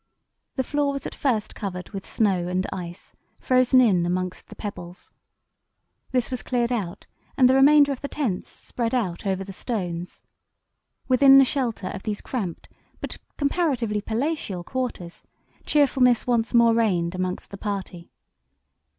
The floor was at first covered with snow and ice, frozen in amongst the pebbles. This was cleared out, and the remainder of the tents spread out over the stones. Within the shelter of these cramped but comparatively palatial quarters cheerfulness once more reigned amongst the party.